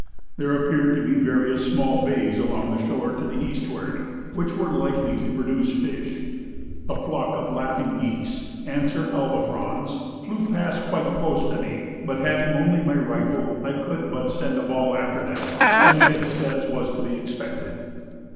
There appeared to be various small bays along shore to the eastward which were likely to produce fish. A flock of laughing geese (anser albifrons) flew past quite close to me; but having only my rifle, I could but send a ball after them and missed as was to be expected.